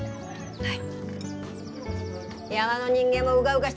はい。